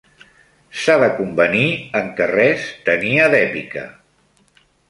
S'ha de convenir en què res tenia d'èpica.